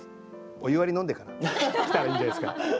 お湯割り飲んでから来たらいいんじゃないですか。